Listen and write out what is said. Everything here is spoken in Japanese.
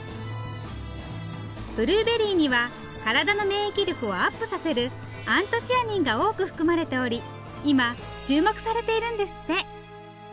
ブルーベリーには体の免疫力をアップさせるアントシアニンが多く含まれており今注目されているんですって。